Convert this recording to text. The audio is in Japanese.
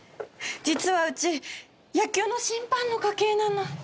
実はうち野球の審判の家系なの。